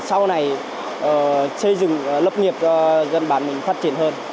sau này xây dựng lập nghiệp cho dân bản mình phát triển hơn